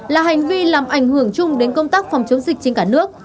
là hành vi làm ảnh hưởng chung đến công tác phòng chống dịch trên cả nước